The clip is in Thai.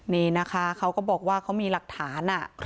นี่นะคะเขาก็บอกว่าเขามีหลักฐาน